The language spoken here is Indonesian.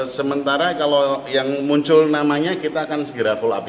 sementara kalau yang muncul namanya kita akan segera follow up